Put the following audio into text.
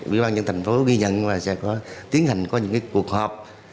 địa bàn dân thành phố ghi nhận và sẽ tiến hành qua những cuộc họp